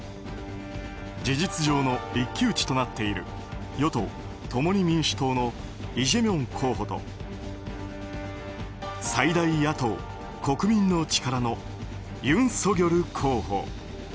事実上の一騎打ちとなっている与党・共に民主党のイ・ジェミョン候補と最大野党・国民の力のユン・ソギョル候補。